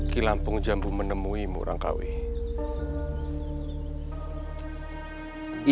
kilaampung jambu menemui murangkawi